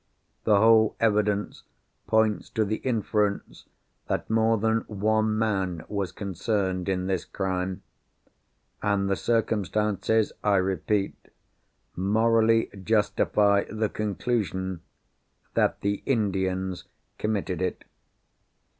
The whole evidence points to the inference that more than one man was concerned in this crime—and the circumstances, I repeat, morally justify the conclusion that the Indians committed it.